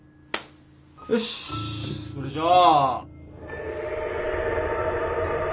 よしそれじゃあ。